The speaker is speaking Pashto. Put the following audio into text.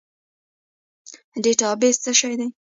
ډیټابیس څه شی دی؟